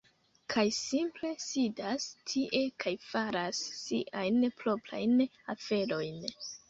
Kaj simple sidas tie kaj faras siajn proprajn aferojn...